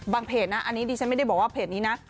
เพจนะอันนี้ดิฉันไม่ได้บอกว่าเพจนี้นะ